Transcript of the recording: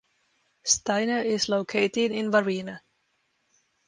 Steiner is located in Varina.